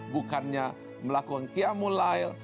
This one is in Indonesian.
bukannya melakukan kiamulail